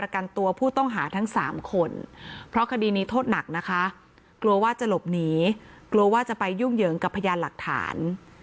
กลัวว่าจะไปยุ่งเยิงกับพยานหลักฐาน